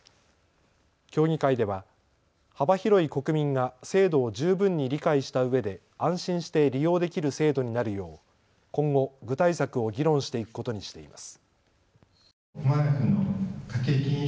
協議会では幅広い国民が制度を十分に理解したうえで安心して利用できる制度になるよう今後、具体策を議論していくことにしています。